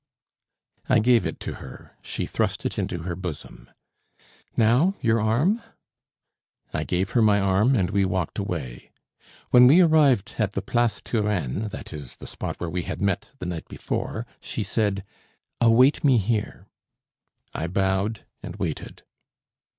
I gave it to her. She thrust it into her bosom. "Now? your arm?" I gave her my arm, and we walked away. When we arrived at the Place Turenne that is, the spot where we had met the night before she said: "Await me here." I bowed and waited.